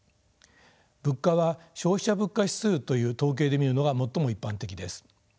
物価は消費者物価指数という統計で見るのが最も一般的です。